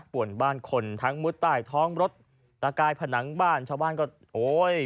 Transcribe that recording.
วนบ้านคนทั้งมุดใต้ท้องรถตะกายผนังบ้านชาวบ้านก็โอ๊ย